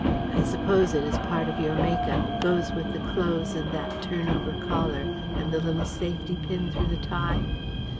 I suppose it is part of your make up goes with the clothes and that turn over collar, and the little safety pin through the tie